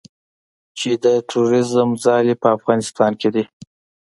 چې د تروریزم ځالې په افغانستان کې دي